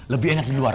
lebih enak di luar